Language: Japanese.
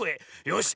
よし。